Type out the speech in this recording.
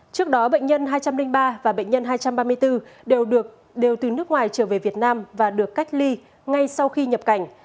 trước đó bệnh nhân hai trăm linh ba và bệnh nhân hai trăm ba mươi bốn đều được đều từ nước ngoài trở về việt nam và được cách ly ngay sau khi nhập cảnh